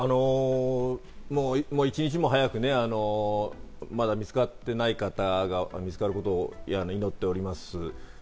一日も早く見つかっていない方が見つかることを祈っております。